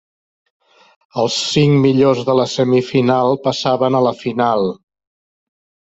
Els cinc millors de la semifinal passaven a la final.